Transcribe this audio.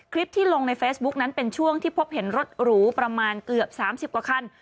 ที่ลงในเฟซบุ๊กนั้นเป็นช่วงที่พบเห็นรถหรูประมาณเกือบ๓๐กว่าคัน